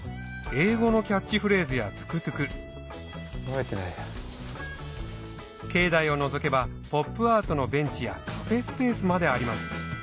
英語のキャッチフレーズやトゥクトゥク境内をのぞけばポップアートのベンチやカフェスペースまであります